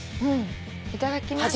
いただきます。